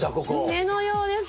夢のようです。